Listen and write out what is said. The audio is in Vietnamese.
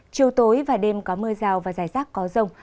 chiều tối và đêm có mưa rào và rải rác có rông